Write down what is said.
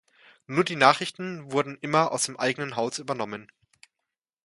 Nur die Nachrichten wurden immer aus dem eigenen Haus übernommen.